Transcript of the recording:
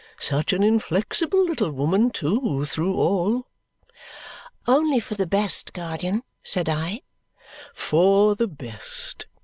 Such an inflexible little woman, too, through all!" "Only for the best, guardian," said I. "For the best?"